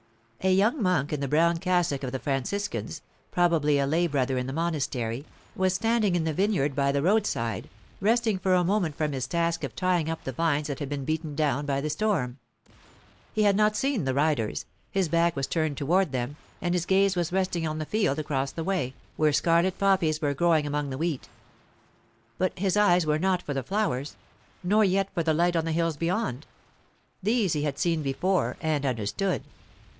A young monk in the brown cassock of the Franciscans, probably a lay brother in the monastery, was standing in the vineyard by the roadside, resting for a moment from his task of tying up the vines that had been beaten down by the storm. He had not seen the riders—his back was turned toward them, and his gaze was resting on the field across the way, where scarlet poppies were growing among the wheat. But his eyes were not for the flowers, nor yet for the light on the hills beyond—these he had seen before and understood.